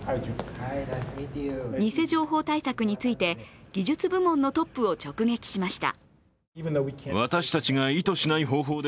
偽情報対策について技術部門のトップを直撃しました。